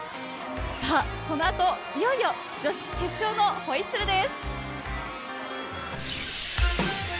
この後、いよいよ女子決勝のホイッスルです。